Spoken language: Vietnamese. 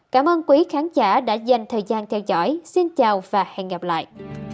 cảm ơn quý khán giả đã dành thời gian theo dõi xin chào và hẹn gặp lại